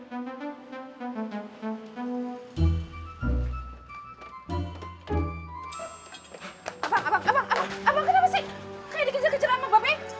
kenapa sih kayak dikejar kejar sama mbak be